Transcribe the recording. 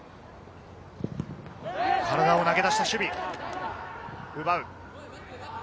体を投げ出した守備。